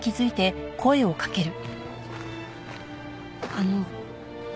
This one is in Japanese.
あの。